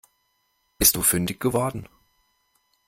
Bist du fündig geworden?